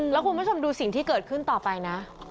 แล้วคุณผู้ชมดูสิ่งที่เกิดขึ้นต่อไปนะ